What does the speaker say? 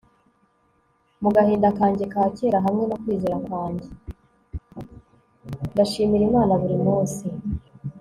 Ndashimira Imana buri munsi